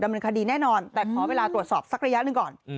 เนินคดีแน่นอนแต่ขอเวลาตรวจสอบสักระยะหนึ่งก่อน